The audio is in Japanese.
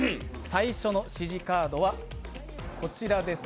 最初の指示カードはこちらです。